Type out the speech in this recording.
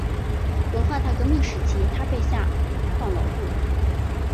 文化大革命时期他被下放劳动。